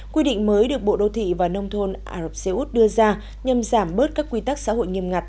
quy định mới được bộ đô thị và nông thôn ả rập xê út đưa ra nhằm giảm bớt các quy tắc xã hội nghiêm ngặt